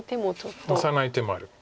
オサない手もある。